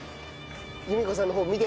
由美子さんの方見て。